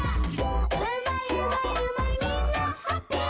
「うまいうまいうまいみんなハッピー」「」